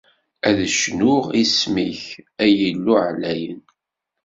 Ad cnuɣ isem-ik, ay Illu ɛlayen!